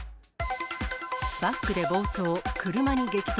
バックで暴走、車に激突。